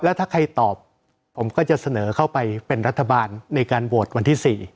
ถ้าใครตอบผมก็จะเสนอเข้าไปเป็นรัฐบาลในการโหวตวันที่๔